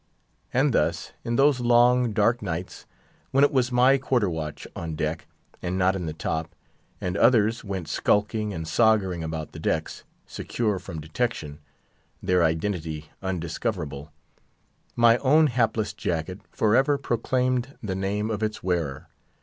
And thus, in those long, dark nights, when it was my quarter watch on deck, and not in the top, and others went skulking and "sogering" about the decks, secure from detection—their identity undiscoverable—my own hapless jacket for ever proclaimed the name of its wearer.